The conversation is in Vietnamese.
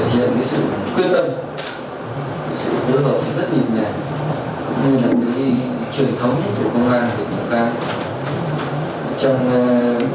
sự quyết tâm sự hứa hợp rất nhìn nhàng